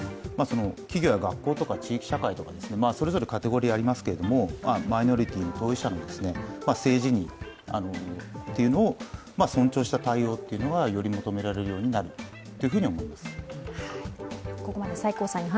企業や学校とか地域社会とかそれぞれカテゴリーがありますけれどもマイノリティの当事者の性自認というのを尊重した対応っていうのがより求められるというふうに思います。